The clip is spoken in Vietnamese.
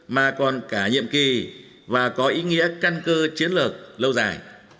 mà còn cả nhiệm kỳ và có ý nghĩa căn cơ chiến lược lâu dài